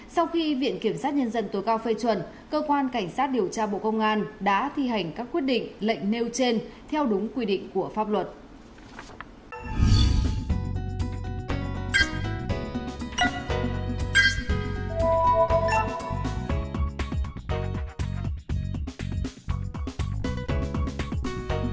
sau khi viện kiểm sát nhân dân tối cao phê chuẩn cơ quan cảnh sát điều tra bộ công an đã thi hành các quyết định lệnh nêu trên theo đúng quy định của pháp luật